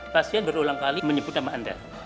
pasien berulang kali menyebut nama anda